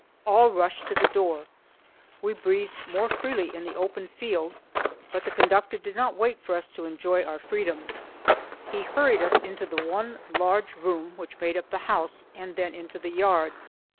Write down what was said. All rushed to the door. We breathed more freely in the open field, but the conductor did not wait for us to enjoy our freedom. He hurried us into the one large room which made up the house, and then into the yard.